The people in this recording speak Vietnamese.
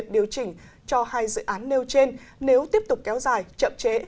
điều chỉnh cho hai dự án nêu trên nếu tiếp tục kéo dài chậm chế